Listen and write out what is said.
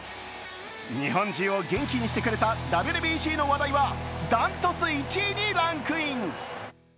日本中を元気にしてくれたＷＢＣの話題は、断トツ１位にランクイン。